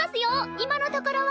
今のところは。